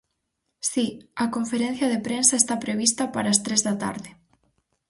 Si, a conferencia de prensa está prevista para as tres da tarde.